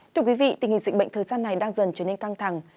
thưa quý vị tình hình dịch bệnh thời gian này đang dần trở nên căng thẳng